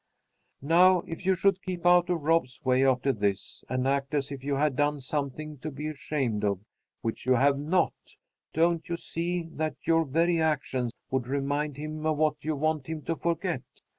"Now if you should keep out of Rob's way after this, and act as if you had done something to be ashamed of, which you have not, don't you see that your very actions would remind him of what you want him to forget?